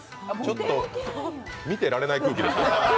ちょっと見てられない空気です。